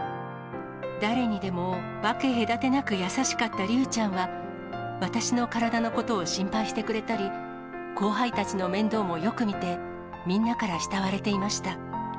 誰にでも分け隔てなく優しかった竜ちゃんは、私の体のことを心配してくれたり、後輩たちの面倒もよく見て、みんなから慕われていました。